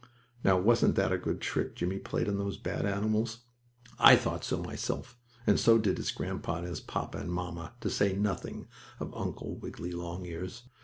Now, wasn't that a good trick Jimmie played on those bad animals? I thought so, myself, and so did his grandpa and his papa and mamma, to say nothing of Uncle Wiggily Longears.